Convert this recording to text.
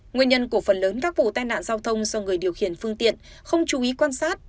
nguyên nhân của phần lớn các vụ tai nạn giao thông do người điều khiển phương tiện không chú ý quan sát